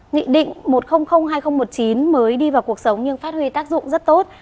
nghị định một trăm linh hai nghìn một mươi chín mới đi vào cuộc sống nhưng phát huy tác dụng rất tốt